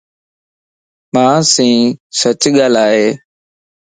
مانسين سچ ڳالھائي